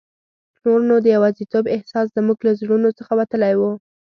نور نو د یوازیتوب احساس زموږ له زړونو څخه وتلی وو.